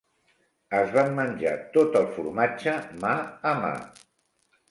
Es van menjar tot el formatge mà a mà.